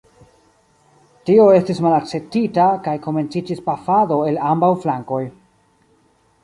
Tio estis malakceptita, kaj komenciĝis pafado el ambaŭ flankoj.